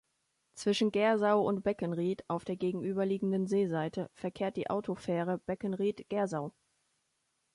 Zwischen Gersau und Beckenried auf der gegenüberliegenden Seeseite verkehrt die Autofähre Beckenried–Gersau.